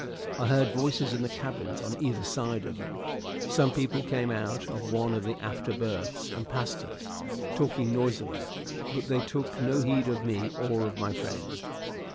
I heard voices in the cabins on either hand of me; some people came out of one of the after berths, and passed us, talking noisily, but they took no heed of me or of my friend.